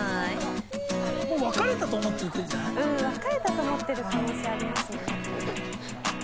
うん別れたと思ってる可能性ありますね。